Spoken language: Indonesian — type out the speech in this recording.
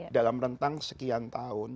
dalam rentang sekian tahun